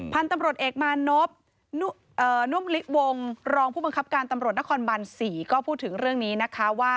พันธ์ตำรวจเอกมานพนุมนิลิกวงรองผู้บังคับการตำรวจทางนโฆษณ์บรร๓ก็พูดถึงเรื่องนี้ว่า